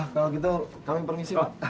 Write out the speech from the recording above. kalau gitu kami permisi lah